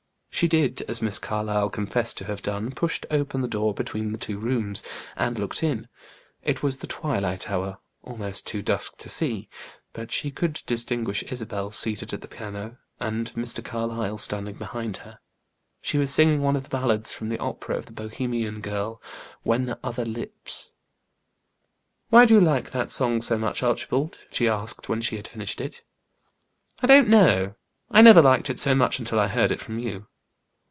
She did, as Miss Carlyle confessed to have done, pushed open the door between the two rooms, and looked in. It was the twilight hour, almost too dusk to see; but she could distinguish Isabel seated at the piano, and Mr. Carlyle standing behind her. She was singing one of the ballads from the opera of the "Bohemian Girl," "When other Lips." "Why do you like that song so much, Archibald?" she asked when she had finished it. "I don't know. I never liked it so much until I heard it from you."